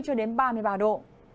cho đến ba mươi ba độ c